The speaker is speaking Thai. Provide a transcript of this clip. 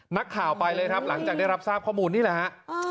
นักข่าวไปเลยครับหลังจากได้รับทราบข้อมูลนี่แหละฮะ